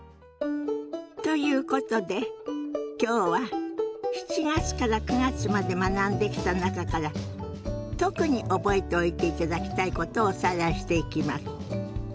ということで今日は７月から９月まで学んできた中から特に覚えておいていただきたいことをおさらいしていきます。